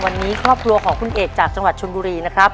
วันนี้ครอบครัวของคุณเอกจากจังหวัดชนบุรีนะครับ